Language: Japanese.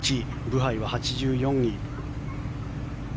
ブハイは８４位。